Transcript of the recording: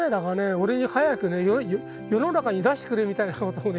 俺に早くね世の中に出してくれみたいなことをね